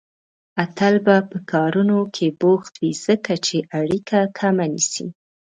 اتل به په کارونو کې بوخت وي، ځکه چې اړيکه کمه نيسي